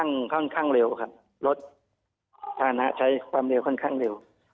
ใช้ความเร็วค่อนข้างเร็วครับลดท่านนะใช้ความเร็วค่อนข้างเร็ว